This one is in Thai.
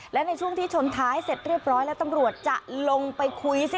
และในช่วงที่ชนท้ายเสร็จเรียบร้อยแล้วตำรวจจะลงไปคุยสิ